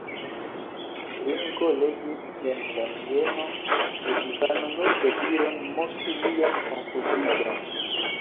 Ringo legis en la mieno de Ivano nur deziron moki lian konfuziĝon.